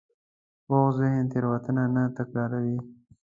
پوخ ذهن تېروتنه نه تکراروي